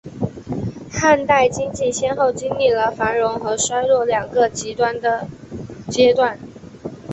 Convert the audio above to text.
汉代经济先后经历了繁荣和衰落两个极端的阶段。